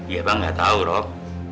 iya bang gak tahu rok